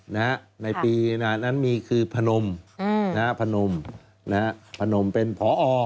ในปีหน้านั้นมีคือพนมพนมนะฮะพนมเป็นพอ